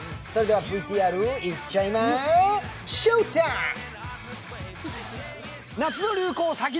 ＶＴＲ、いっちゃいまＳＨＯＷＴＩＭＥ！